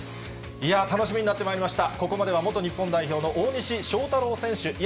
いやー、楽しみになってまいりました。